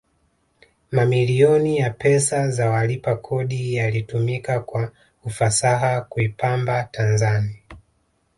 mamilioni ya pesa za walipa kodi yalitumika kwa ufasaha kuipamba tanzani